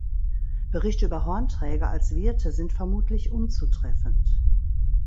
Berichte über Hornträger als Wirte sind vermutlich unzutreffend.